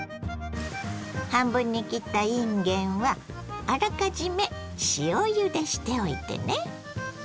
半分に切ったいんげんはあらかじめ塩ゆでしておいてね。